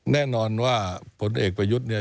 แน่นอนว่าผลเอกประยุทธ์เนี่ย